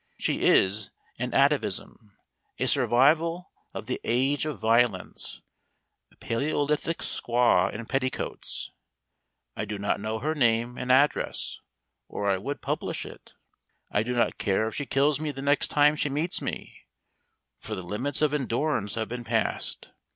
She is an atavism, a survival of the age of violence, a Palæolithic squaw in petticoats. I do not know her name and address or I would publish it. I do not care if she kills me the next time she meets me, for the limits of endurance have been passed.